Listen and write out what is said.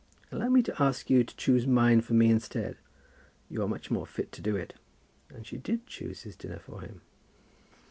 "Allow me to ask you to choose mine for me instead. You are much more fit to do it." And she did choose his dinner for him.